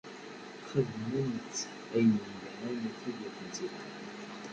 Xedmemt ayen ilhan i tid i kent-ikeṛhen.